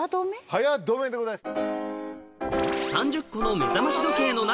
早止めでございます。